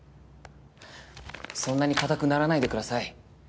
そんなに硬くならないでください。